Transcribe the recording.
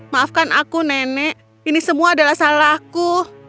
maafkan aku nenek ini semua adalah salahku